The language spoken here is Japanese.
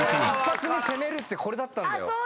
１発目攻めるってこれだったんだよ。